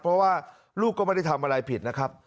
เพราะว่าลูกก็ไม่ได้ทำอะไรผิดนะครับ